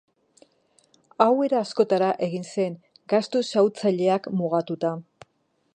Hau era askotara egin zen: gastu xahutzaileak mugatuta.